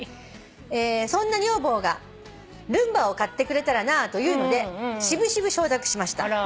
「そんな女房が『ルンバを買ってくれたらなぁ』と言うので渋々承諾しました」